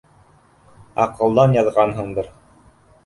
Аҡылдан яҙғанһыңдыр!